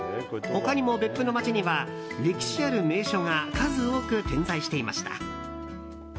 他にも別府の街には歴史ある名所が数多く点在していました。